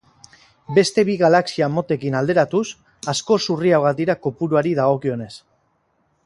Beste bi galaxia motekin alderatuz, askoz urriagoak dira kopuruari dagokionez.